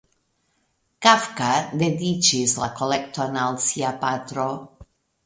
Kafka dediĉis la kolekton al sia patro.